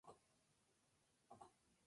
Get Blake!